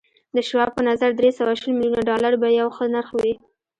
د شواب په نظر دري سوه شل ميليونه ډالر به يو ښه نرخ وي.